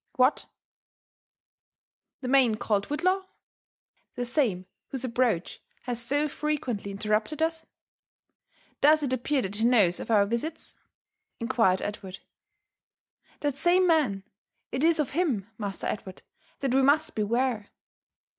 " What, the man called Whitlaw? The same whose approach has so frequently interrupted us ? Does it appear that he knows of our visits V inquired Edward. ,..*' That same man — it is of him. Master Edward, that we must beware.